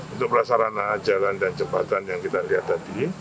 untuk prasarana jalan dan jembatan yang kita lihat tadi